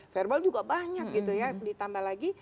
verbal juga banyak gitu ya ditambah lagi